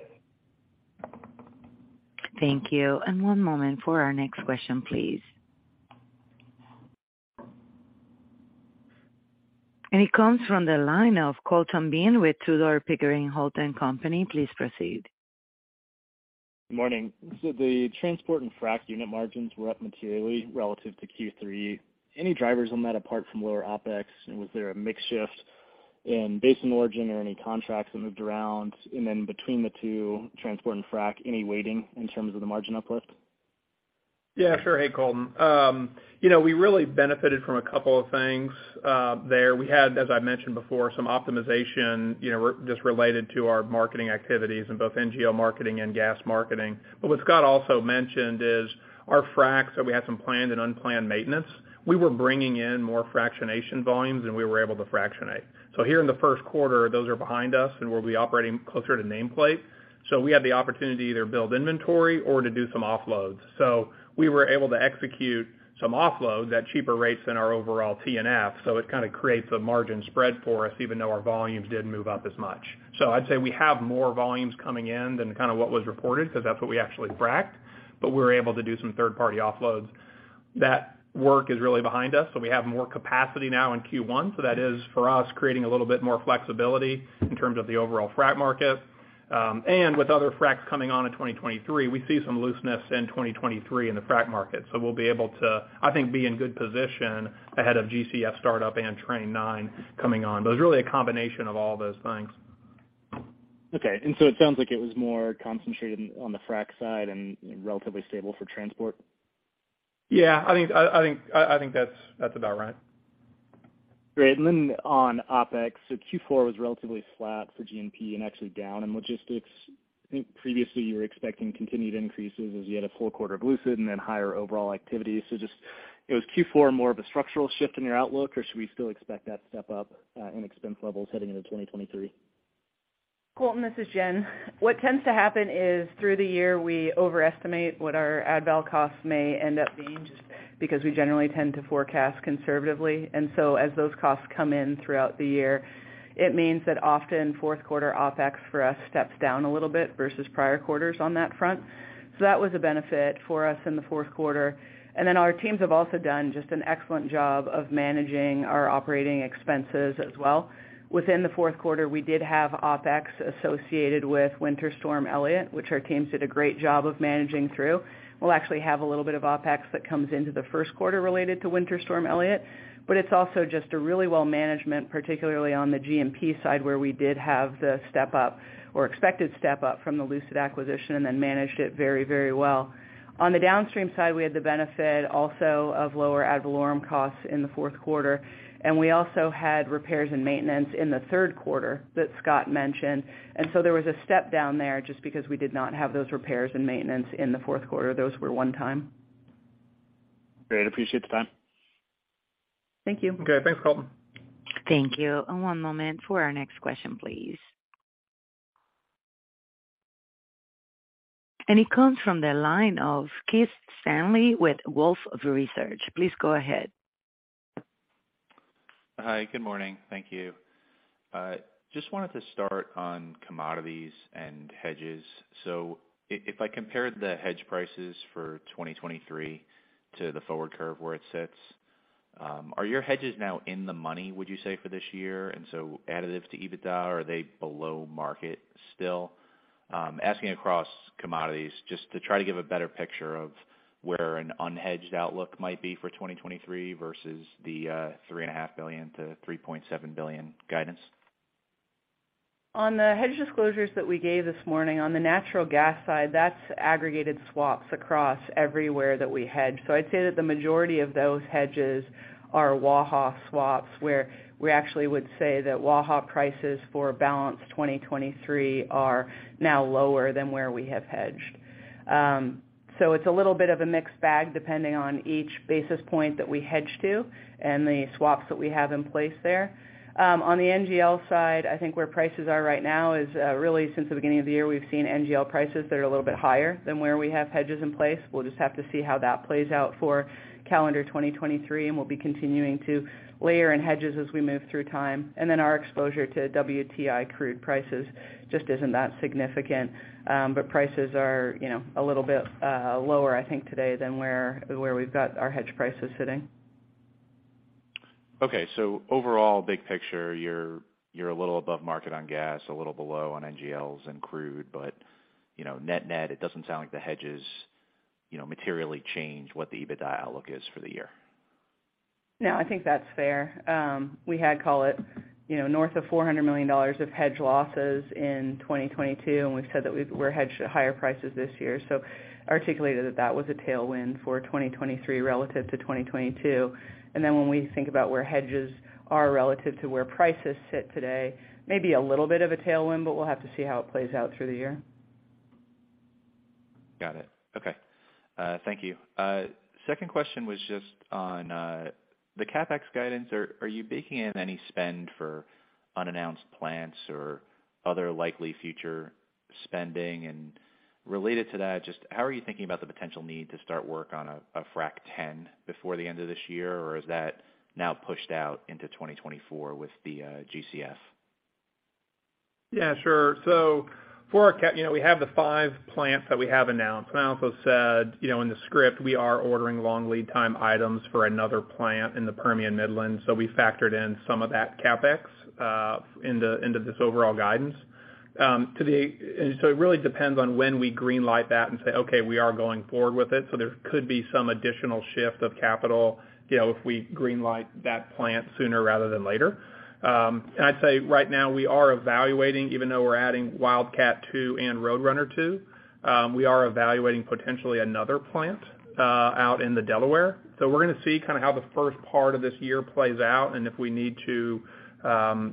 Thank you. One moment for our next question, please. It comes from the line of Colton Bean with Tudor, Pickering, Holt & Co. Please proceed. Good morning. The transport and frack unit margins were up materially relative to Q3. Any drivers on that apart from lower OpEx? Was there a mix shift in basin origin or any contracts that moved around? Between the two, transport and frack, any weighting in terms of the margin uplift? Yeah, sure. Hey, Colton. You know, we really benefited from a couple of things there. We had, as I mentioned before, some optimization, you know, just related to our marketing activities in both NGL marketing and gas marketing. What Scott also mentioned is our fracs. We had some planned and unplanned maintenance. We were bringing in more fractionation volumes than we were able to fractionate. Here in the first quarter, those are behind us, and we'll be operating closer to nameplate. We had the opportunity to either build inventory or to do some offloads. We were able to execute some offload at cheaper rates than our overall TNF. It kind of creates a margin spread for us, even though our volumes didn't move up as much. I'd say we have more volumes coming in than kind of what was reported because that's what we actually fracked, but we were able to do some third-party offloads. That work is really behind us, so we have more capacity now in Q1. That is, for us, creating a little bit more flexibility in terms of the overall frac market. And with other fracs coming on in 2023, we see some looseness in 2023 in the frac market. We'll be able to, I think, be in good position ahead of GCF startup and Train 9 coming on. It's really a combination of all those things. Okay. It sounds like it was more concentrated on the frac side and relatively stable for transport. Yeah, I think that's about right. Great. On OpEx, Q4 was relatively flat for GMP and actually down in logistics. I think previously you were expecting continued increases as you had a full quarter of Lucid and then higher overall activity. Just, you know, is Q4 more of a structural shift in your outlook, or should we still expect that step up in expense levels heading into 2023? Colton, this is Jen. What tends to happen is through the year, we overestimate what our ad val costs may end up being just because we generally tend to forecast conservatively. As those costs come in throughout the year, it means that often fourth quarter OpEx for us steps down a little bit versus prior quarters on that front. That was a benefit for us in the fourth quarter. Our teams have also done just an excellent job of managing our operating expenses as well. Within the fourth quarter, we did have OpEx associated with Winter Storm Elliott, which our teams did a great job of managing through. We'll actually have a little bit of OpEx that comes into the first quarter related to Winter Storm Elliott, but it's also just a really well management, particularly on the GMP side where we did have the step up or expected step up from the Lucid acquisition and then managed it very, very well. On the downstream side, we had the benefit also of lower ad valorem costs in the fourth quarter, and we also had repairs and maintenance in the third quarter that Scott mentioned. There was a step down there just because we did not have those repairs and maintenance in the fourth quarter. Those were one time. Great. Appreciate the time. Thank you. Okay. Thanks, Colton. Thank you. One moment for our next question, please. It comes from the line of Keith Stanley with Wolfe Research. Please go ahead. Hi, good morning. Thank you. Just wanted to start on commodities and hedges. If I compared the hedge prices for 2023 to the forward curve where it sits, are your hedges now in the money, would you say, for this year? Additive to EBITDA, are they below market still? Asking across commodities just to try to give a better picture of where an unhedged outlook might be for 2023 versus the $3.5 billion-$3.7 billion guidance. On the hedge disclosures that we gave this morning, on the natural gas side, that's aggregated swaps across everywhere that we hedge. I'd say that the majority of those hedges are Waha swaps, where we actually would say that Waha prices for balance 2023 are now lower than where we have hedged. It's a little bit of a mixed bag depending on each basis point that we hedge to and the swaps that we have in place there. On the NGL side, I think where prices are right now is, really since the beginning of the year, we've seen NGL prices that are a little bit higher than where we have hedges in place. We'll just have to see how that plays out for calendar 2023, and we'll be continuing to layer in hedges as we move through time. Our exposure to WTI crude prices just isn't that significant. Prices are, you know, a little bit lower, I think, today than where we've got our hedge prices sitting. Okay. Overall, big picture, you're a little above market on gas, a little below on NGLs and crude, but you know, net-net, it doesn't sound like the hedges, you know, materially change what the EBITDA outlook is for the year. No, I think that's fair. We had call it, you know, north of $400 million of hedge losses in 2022, and we've said that we're hedged at higher prices this year. Articulated that that was a tailwind for 2023 relative to 2022. When we think about where hedges are relative to where prices sit today, maybe a little bit of a tailwind, but we'll have to see how it plays out through the year. Got it. Okay. Thank you. Second question was just on the CapEx guidance. Are you baking in any spend for unannounced plants or other likely future spending and related to that, just how are you thinking about the potential need to start work on a Train 10 before the end of this year? Or is that now pushed out into 2024 with the, Gulf Coast Fractionators? Yeah, sure. For our CapEx, you know, we have the five plants that we have announced. I also said, you know, in the script, we are ordering long lead time items for another plant in the Permian Midland. We factored in some of that CapEx into this overall guidance. It really depends on when we green light that and say, okay, we are going forward with it. There could be some additional shift of capital, you know, if we green light that plant sooner rather than later. I'd say right now we are evaluating, even though we're adding Wildcat II and Roadrunner II, we are evaluating potentially another plant out in the Delaware. We're gonna see kind of how the first part of this year plays out, and if we need to,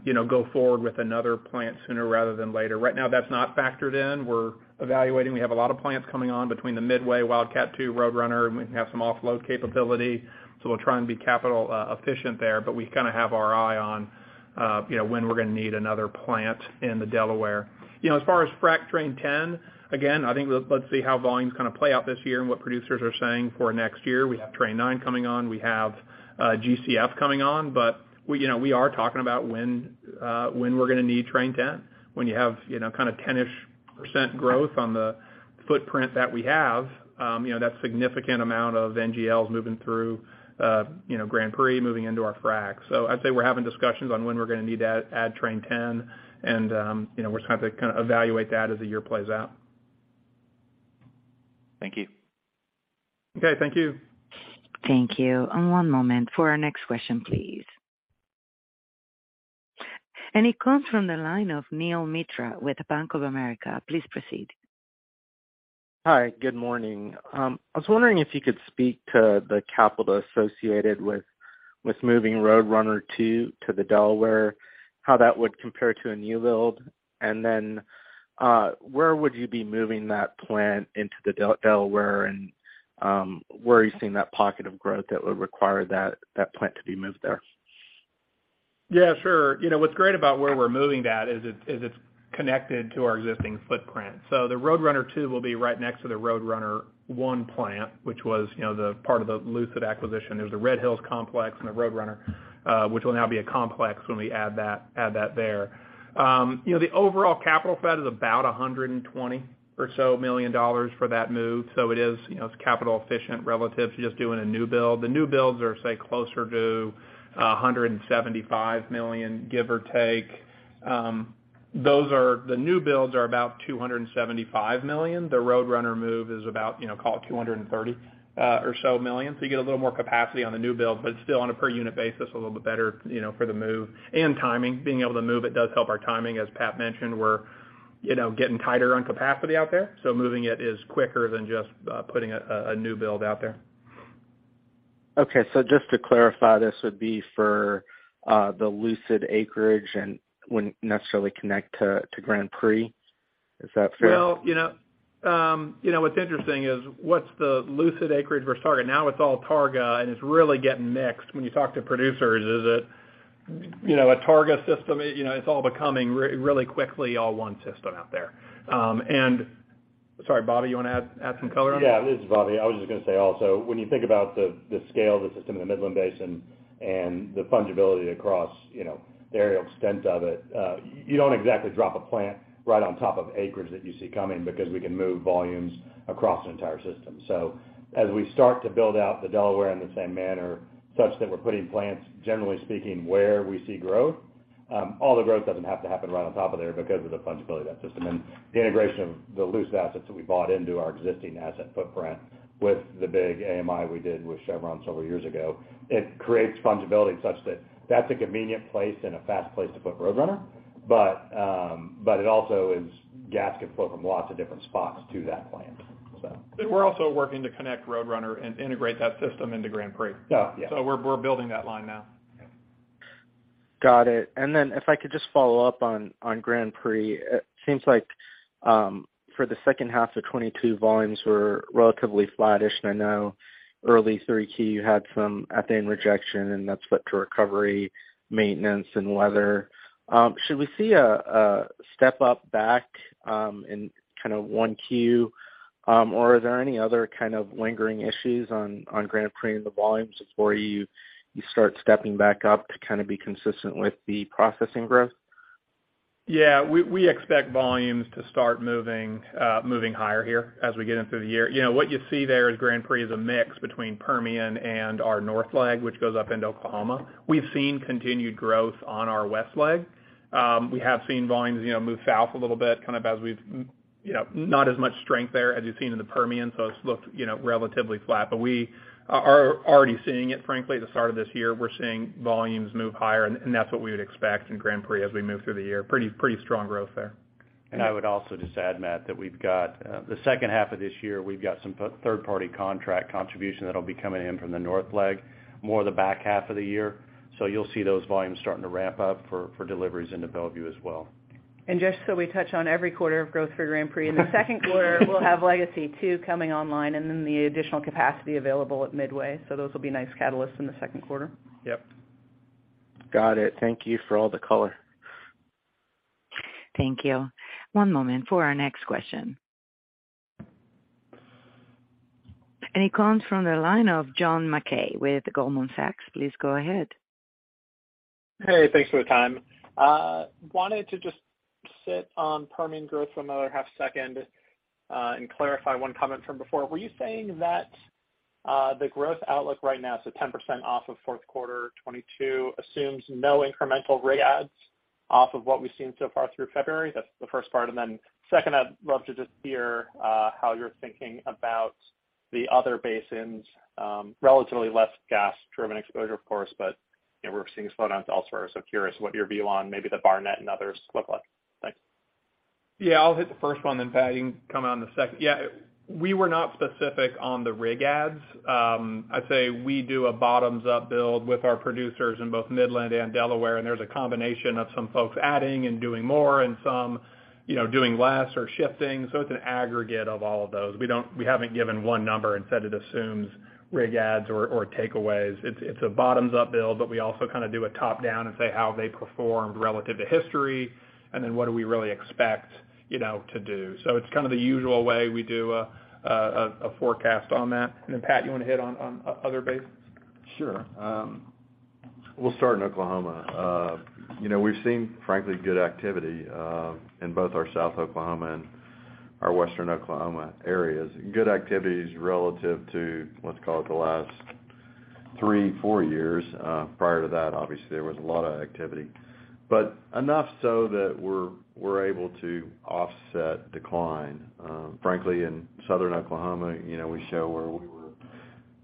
you know, go forward with another plant sooner rather than later. Right now, that's not factored in. We're evaluating. We have a lot of plants coming on between the Midway, Wildcat II, Roadrunner, and we have some offload capability, so we'll try and be capital efficient there. We kind of have our eye on, you know, when we're gonna need another plant in the Delaware. As far as Train 10, again, I think let's see how volumes kind of play out this year and what producers are saying for next year. We have Train 9 coming on. We have GCF coming on. We, you know, we are talking about when we're gonna need Train 10. When you have, you know, kind of 10-ish% growth on the footprint that we have, you know, that's significant amount of NGLs moving through, you know, Grand Prix moving into our frac. I'd say we're having discussions on when we're gonna need to add Train 10. We're just going to kind of evaluate that as the year plays out. Thank you. Okay. Thank you. Thank you. one moment for our next question, please. It comes from the line of Neel Mitra with Bank of America. Please proceed. Hi. Good morning. I was wondering if you could speak to the capital associated with moving Roadrunner II to the Delaware, how that would compare to a new build? Then, where would you be moving that plant into the Delaware, and where are you seeing that pocket of growth that would require that plant to be moved there? Sure. You know, what's great about where we're moving that is it's connected to our existing footprint. The Roadrunner II will be right next to the Roadrunner I plant, which was, you know, the part of the Lucid acquisition. There's a Red Hills complex and a Roadrunner, which will now be a complex when we add that there. You know, the overall capital spend is about $120 million or so for that move. It is, you know, capital efficient relative to just doing a new build. The new builds are, say, closer to $175 million, give or take. The new builds are about $275 million. The Roadrunner move is about, you know, call it $230 million or so. You get a little more capacity on the new build, but still on a per unit basis, a little bit better, you know, for the move. Timing, being able to move it does help our timing. As Pat mentioned, we're, you know, getting tighter on capacity out there, so moving it is quicker than just putting a new build out there. Just to clarify, this would be for the Lucid acreage and wouldn't necessarily connect to Grand Prix. Is that fair? Well, you know, what's interesting is what's the Lucid acreage we're targeting. Now it's all Targa, and it's really getting mixed. When you talk to producers, is it, you know, a Targa system? You know, it's all becoming really quickly all one system out there. Sorry, Bobby, you wanna add some color on that? Yeah. This is Bobby. I was just gonna say also, when you think about the scale of the system in the Midland Basin and the fungibility across, you know, the aerial extent of it, you don't exactly drop a plant right on top of acreage that you see coming because we can move volumes across the entire system. As we start to build out the Delaware in the same manner, such that we're putting plants, generally speaking, where we see growth, all the growth doesn't have to happen right on top of there because of the fungibility of that system. The integration of the Lucid assets that we bought into our existing asset footprint with the big AMI we did with Chevron several years ago, it creates fungibility such that that's a convenient place and a fast place to put Roadrunner. It also is gas can flow from lots of different spots to that plant. We're also working to connect Roadrunner and integrate that system into Grand Prix. Yeah. Yeah. We're building that line now. Okay. Got it. If I could just follow up on Grand Prix. It seems like for the second half of 2022, volumes were relatively flattish. I know early 3Q, you had some ethane rejection, and that's what to recovery, maintenance, and weather. Should we see a step up back in kind of 1Q? Are there any other kind of lingering issues on Grand Prix in the volumes before you start stepping back up to kind of be consistent with the processing growth? Yeah. We expect volumes to start moving higher here as we get in through the year. You know, what you see there is Grand Prix is a mix between Permian and our North leg, which goes up into Oklahoma. We've seen continued growth on our west leg. We have seen volumes, you know, move south a little bit, kind of as we've, you know, not as much strength there as you've seen in the Permian, so it's looked, you know, relatively flat. We are already seeing it, frankly, at the start of this year. We're seeing volumes move higher, and that's what we would expect in Grand Prix as we move through the year. Pretty strong growth there. I would also just add, Matt, that we've got the second half of this year, we've got some third-party contract contribution that'll be coming in from the north leg, more the back half of the year. You'll see those volumes starting to ramp up for deliveries into Bellevue as well. Just so we touch on every quarter of growth for Grand Prix. In the second quarter, we'll have Legacy II coming online and then the additional capacity available at Midway. Those will be nice catalysts in the second quarter. Yep. Got it. Thank you for all the color. Thank you. One moment for our next question. It comes from the line of John Mackay with Goldman Sachs. Please go ahead. Hey, thanks for the time. wanted to just sit on Permian growth for another half second and clarify one comment from before. Were you saying that the growth outlook right now, so 10% off of fourth quarter 2022 assumes no incremental rig adds off of what we've seen so far through February? That's the first part. Second, I'd love to just hear how you're thinking about the other basins, relatively less gas-driven exposure, of course, but, you know, we're seeing slowdowns elsewhere. Curious what your view on maybe the Barnett and others look like. Thanks. I'll hit the first one, then Pat, you can come on the second. We were not specific on the rig adds. I'd say we do a bottoms-up build with our producers in both Midland and Delaware. There's a combination of some folks adding and doing more and some, you know, doing less or shifting. It's an aggregate of all of those. We haven't given one number and said it assumes rig adds or takeaways. It's a bottoms-up build. We also kind of do a top-down and say how they performed relative to history and then what do we really expect, you know, to do. It's kind of the usual way we do a forecast on that. Pat, you want to hit on other bases? Sure. We'll start in Oklahoma. You know, we've seen, frankly, good activity in both our South Oklahoma and our Western Oklahoma areas. Good activities relative to, let's call it, the last three, four years. Prior to that, obviously, there was a lot of activity, but enough so that we're able to offset decline. Frankly, in Southern Oklahoma, you know, we show where we were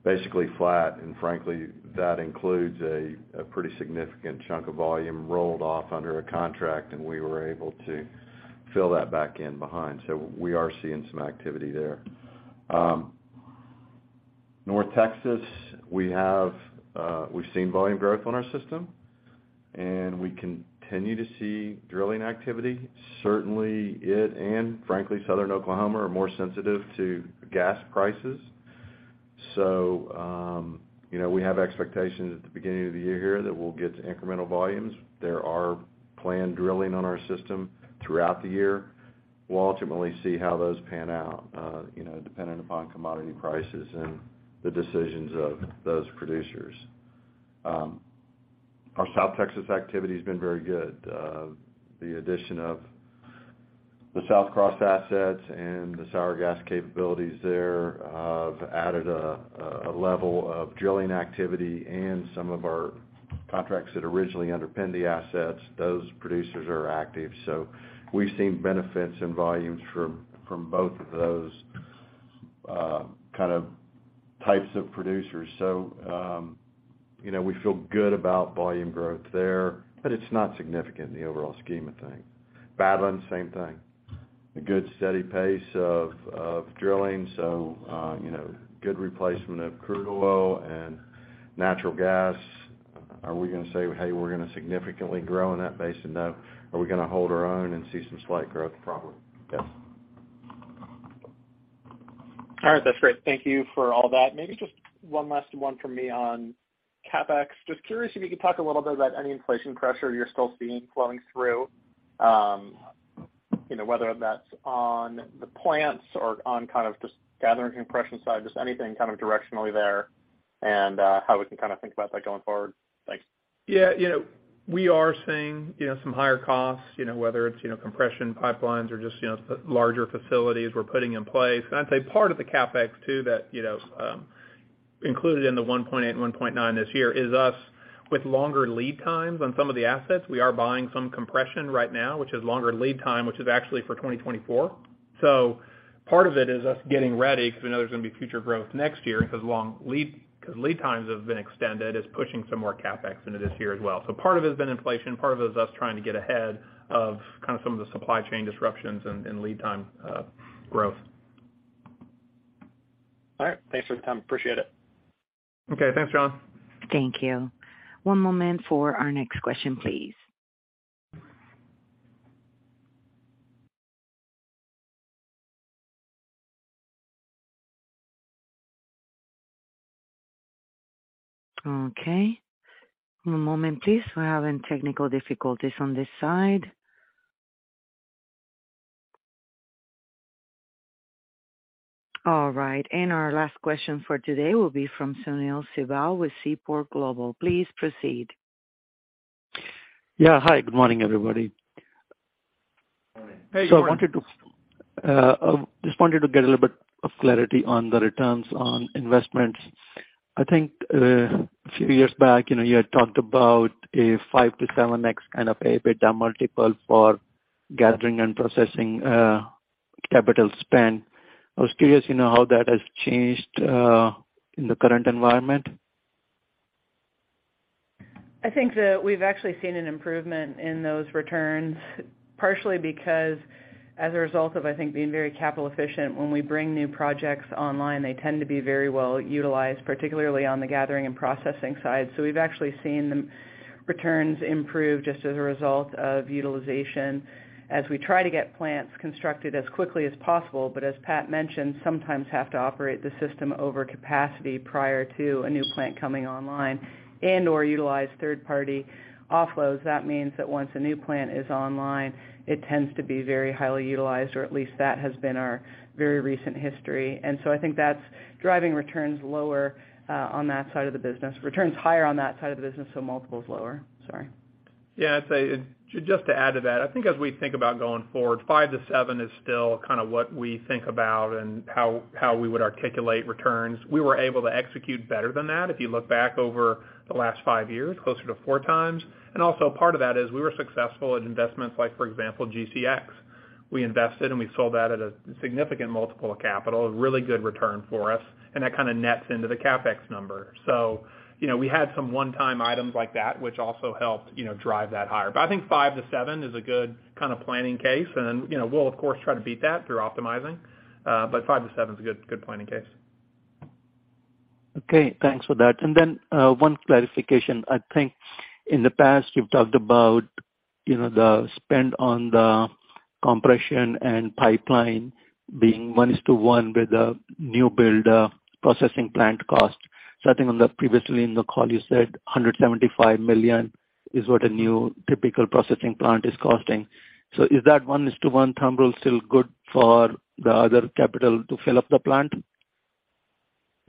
basically flat. Frankly, that includes a pretty significant chunk of volume rolled off under a contract, and we were able to fill that back in behind. We are seeing some activity there. North Texas, we have, we've seen volume growth on our system, and we continue to see drilling activity. Certainly, it and frankly, Southern Oklahoma, are more sensitive to gas prices. You know, we have expectations at the beginning of the year here that we'll get to incremental volumes. There are planned drilling on our system throughout the year. We'll ultimately see how those pan out, you know, dependent upon commodity prices and the decisions of those producers. Our South Texas activity has been very good. The addition of the Southcross assets and the sour gas capabilities there have added a level of drilling activity and some of our contracts that originally underpinned the assets. Those producers are active. We've seen benefits in volumes from both of those kind of types of producers. You know, we feel good about volume growth there, but it's not significant in the overall scheme of things. Badlands, same thing, a good steady pace of drilling. You know, good replacement of crude oil and natural gas. Are we going to say, hey, we're going to significantly grow in that basin? No. Are we going to hold our own and see some slight growth? Probably, yes. All right. That's great. Thank you for all that. Maybe just one last one for me on CapEx. Just curious if you could talk a little bit about any inflation pressure you're still seeing flowing through, you know, whether that's on the plants or on kind of just gathering compression side, just anything kind of directionally there and how we can kind of think about that going forward. Thanks. Yeah. You know, we are seeing, you know, some higher costs, you know, whether it's, you know, compression pipelines or just, you know, larger facilities we're putting in place. I'd say part of the CapEx too that, you know, included in the $1.8 billion and $1.9 billion this year is us with longer lead times on some of the assets. We are buying some compression right now, which is longer lead time, which is actually for 2024. Part of it is us getting ready because we know there's going to be future growth next year because lead times have been extended, is pushing some more CapEx into this year as well. Part of it has been inflation, part of it is us trying to get ahead of kind of some of the supply chain disruptions and lead time, growth. All right. Thanks for the time. Appreciate it. Okay. Thanks, John. Thank you. One moment for our next question, please. Okay. One moment, please. We're having technical difficulties on this side. All right. Our last question for today will be from Sunil Sibal with Seaport Global. Please proceed. Yeah. Hi, good morning, everybody. Morning. Hey, good morning. I wanted to get a little bit of clarity on the returns on investments. I think, a few years back, you know, you had talked about a 5x-7x kind of EBITDA multiple for gathering and processing, capital spend. I was curious, you know, how that has changed in the current environment. I think that we've actually seen an improvement in those returns, partially because as a result of, I think, being very capital efficient, when we bring new projects online, they tend to be very well utilized, particularly on the gathering and processing side. We've actually seen them. Returns improve just as a result of utilization as we try to get plants constructed as quickly as possible. As Pat mentioned, sometimes have to operate the system over capacity prior to a new plant coming online and/or utilize third-party offloads. That means that once a new plant is online, it tends to be very highly utilized, or at least that has been our very recent history. I think that's driving returns lower on that side of the business. Returns higher on that side of the business, multiples lower. Sorry. Yeah, I'd say, just to add to that, I think as we think about going forward, 5x-7x is still kinda what we think about and how we would articulate returns. We were able to execute better than that. If you look back over the last five years, closer to 4x. Also part of that is we were successful in investments like, for example, GCX. We invested, we sold that at a significant multiple of capital, a really good return for us, and that kinda nets into the CapEx number. You know, we had some one-time items like that which also helped, you know, drive that higher. I think 5x-7x is a good kinda planning case, and, you know, we'll of course try to beat that through optimizing. 5x-7x is a good planning case. Okay, thanks for that. One clarification. I think in the past you've talked about, you know, the spend on the compression and pipeline being one-to-one with the new build, processing plant cost. I think on the previously in the call you said $175 million is what a new typical processing plant is costing. Is that one-to-one thumb rule still good for the other capital to fill up the plant?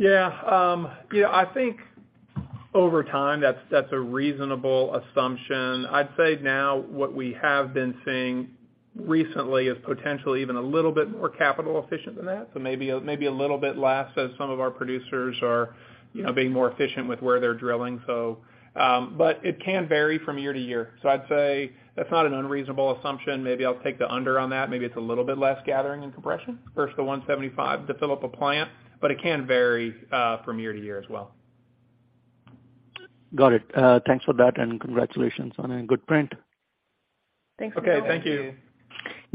I think over time, that's a reasonable assumption. I'd say now what we have been seeing recently is potentially even a little bit more capital efficient than that. Maybe a little bit less as some of our producers are, you know, being more efficient with where they're drilling. It can vary from year to year. I'd say that's not an unreasonable assumption. Maybe I'll take the under on that. Maybe it's a little bit less gathering and compression versus the 175 to fill up a plant, but it can vary from year to year as well. Got it. Thanks for that, and congratulations on a good print. Thanks for calling. Okay, thank you.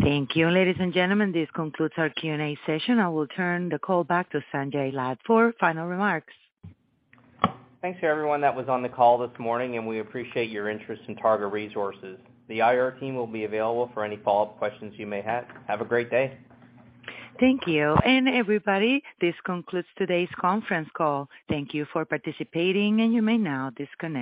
Thank you. Ladies and gentlemen, this concludes our Q&A session. I will turn the call back to Sanjay Lad for final remarks. Thanks to everyone that was on the call this morning, and we appreciate your interest in Targa Resources. The IR team will be available for any follow-up questions you may have. Have a great day. Thank you. Everybody, this concludes today's conference call. Thank you for participating, and you may now disconnect.